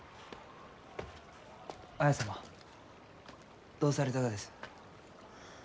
綾様どうされたがです？